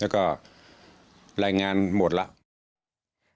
แล้วก็รายงานหมดแล้ว